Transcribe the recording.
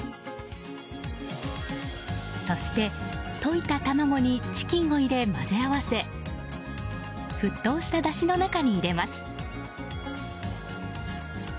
そして、といた卵にチキンを入れ混ぜ合わせ沸騰しただしの中に入れます。